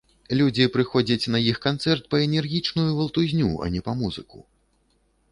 Людзі прыходзяць на іх канцэрт па энергічную валтузню, а не па музыку.